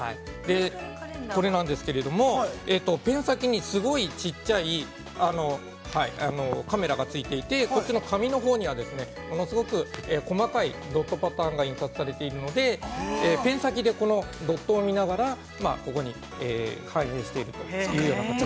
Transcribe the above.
◆これなんですけれども、ペン先にすごいちっちゃいカメラがついていて、こっちの紙のほうには物すごく細かいドットパターンが印刷されているので、ペン先でこのドットを見ながらここに反映しているというような形に。